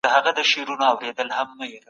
سیاسي بندیان د نړیوالي ټولني بشپړ ملاتړ نه لري.